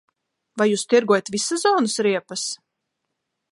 Vai jūs tirgojat vissezonas riepas?